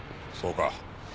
そうか。